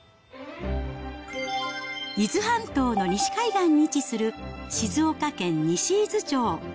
伊豆半島の西海岸に位置する静岡県西伊豆町。